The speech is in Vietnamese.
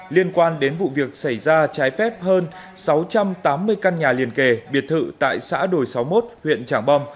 liên quan đến vụ việc xảy ra trái phép hơn sáu trăm tám mươi căn nhà liền kề biệt thự tại xã đồi sáu mươi một huyện trảng bom